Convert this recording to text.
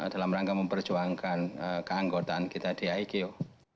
dalam rangka memperjuangkan keanggotaan kita di iko